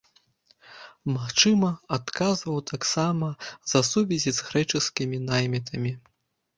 Магчыма, адказваў таксама за сувязі з грэчаскімі наймітамі.